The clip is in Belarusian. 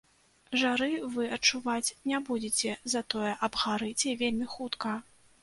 Жары вы адчуваць не будзеце, затое абгарыце вельмі хутка.